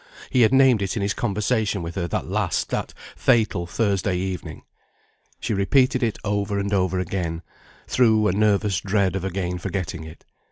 He had named it in his conversation with her that last, that fatal Thursday evening. She repeated it over and over again, through a nervous dread of again forgetting it.